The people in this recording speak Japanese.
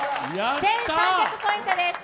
１３００ポイントです。